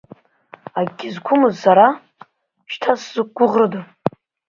Акгьы зқәымыз сара, шьҭа сзықәгәыӷрыда?